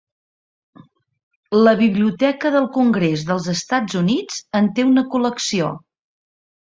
La Biblioteca del Congrés dels Estats Units en té una col·lecció.